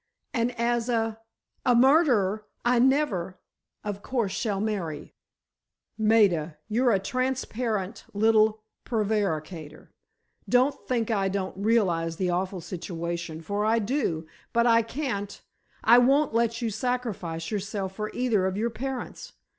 And as a—a murderer, I never, of course, shall marry." "Maida, you're a transparent little prevaricator! Don't think I don't realize the awful situation, for I do, but I can't—I won't let you sacrifice yourself for either of your parents.